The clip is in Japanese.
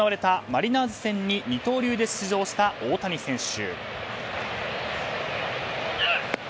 マリナーズ戦に二刀流で出場した大谷選手。